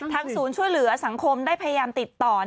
ศูนย์ช่วยเหลือสังคมได้พยายามติดต่อ